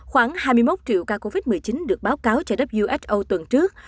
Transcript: khoảng hai mươi một triệu ca covid một mươi chín được báo cáo cho who tuần trước